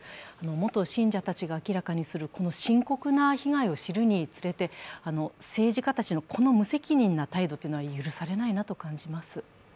元信者たちが明らかにする深刻な被害を知るにつれて政治家たちのこの無責任な態度は許されないなと感じます。